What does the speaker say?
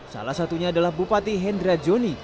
salah satunya adalah bupati hendra joni